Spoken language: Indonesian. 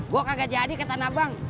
gua kagak jadi ke tanabang